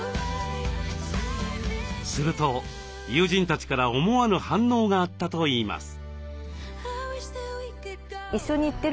すると友人たちから思わぬ反応があったといいます。